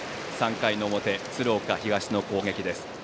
３回の表、鶴岡東の攻撃です。